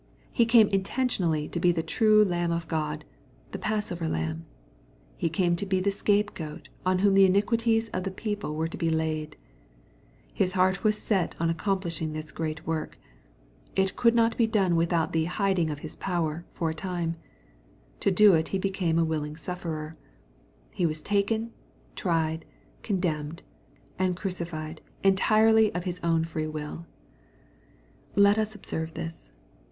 He came intentionally to be the true Lamb of God, the Passover Lamb. He came to be the Scape goat on whom the iniquities of the people were to be laid. His heart was set on accomplishing this great work. / It could not be done without the " hiding of his power* for a time/ To do it he became a willing sufferer. He was taken, tried, condemned, and crucified entirely of His own free will. Let us observe this.